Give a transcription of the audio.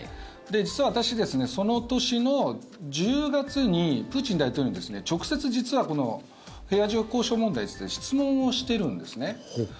実は私、その年の１０月にプーチン大統領に直接、平和条約交渉問題を質問しているんですね。